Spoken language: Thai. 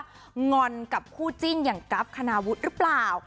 หรืองอนกับคู่จิ้นอย่างกับกงาวุทธ์รึเปล่า